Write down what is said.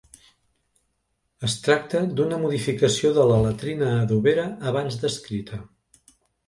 Es tracta d'una modificació de la latrina adobera abans descrita.